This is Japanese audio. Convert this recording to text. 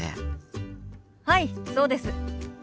はいそうです。